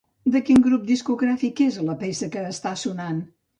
De quin grup discogràfic és la peça que està sonant?